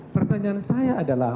pertanyaan saya adalah